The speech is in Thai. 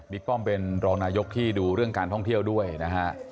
ป้อมเป็นรองนายกที่ดูเรื่องการท่องเที่ยวด้วยนะฮะ